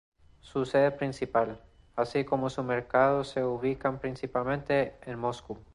Su sede principal, así como su mercado, se ubican principalmente en Moscú.